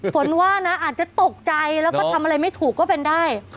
ฝนว่านะอาจจะตกใจแล้วก็ทำอะไรไม่ถูกก็เป็นได้